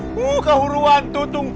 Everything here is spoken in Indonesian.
wuh kehuruan tutung